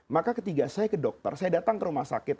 maka ketika saya ke dokter saya datang ke rumah sakit